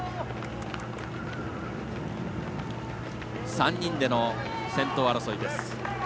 ３人での先頭争いです。